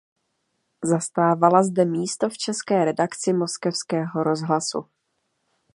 Zastávala zde místo v české redakci moskevského rozhlasu.